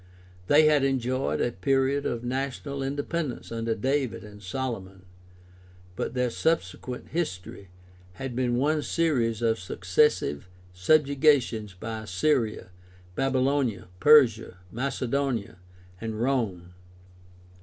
They had enjoyed a period of national independence under David and Solomon, but their subsequent history had been one series of successive subjugations by Assyria, Babylonia, Persia, Macedonia, and Rome.